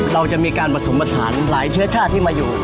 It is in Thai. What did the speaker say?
เราจะมีการผสมผสานหลายเชื้อชาติที่มาอยู่